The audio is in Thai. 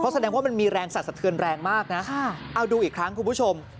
แสดงว่ามันมีแรงสัดสะเทือนแรงมากนะเอาดูอีกครั้งคุณผู้ชม